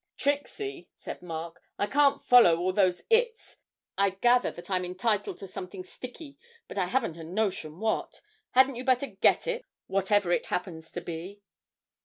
'Trixie,' said Mark, 'I can't follow all those "its." I gather that I'm entitled to something sticky, but I haven't a notion what. Hadn't you better get it, whatever it happens to be?'